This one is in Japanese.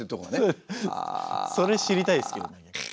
それ知りたいですけどね。